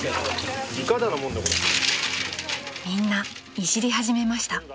［みんないじり始めました］